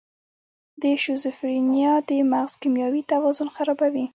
د شیزوفرینیا د مغز کیمیاوي توازن خرابوي.